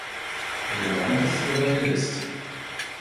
Johannes Evangelist.